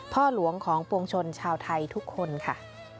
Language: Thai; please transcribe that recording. พ่อหลวงของปวงชนชาวไทยทุกคนค่ะ